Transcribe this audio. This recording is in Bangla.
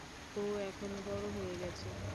ও এখন বড়ো হয়ে গেছে।